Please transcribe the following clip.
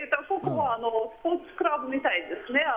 ここはスポーツクラブみたいですね。